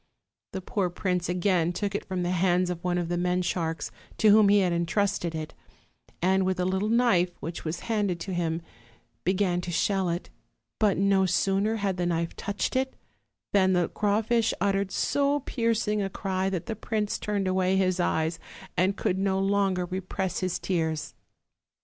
The poor prince again took it from the hands of one of the men sharks to whom he had intrusted it, and, with a little knife which v/as handed to him, began to shell it; but no sooner had the knife touched it, than the crawfish uttered so piercing a cry that the prince turned away his eyes, and could no longer repress his tears.